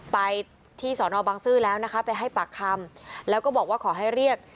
ไปที่สอนอบังซื้อแล้วนะคะไปให้ปากคำแล้วก็บอกว่าขอให้เรียก